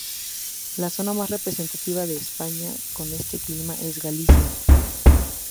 La zona más representativa de España con este clima es Galicia.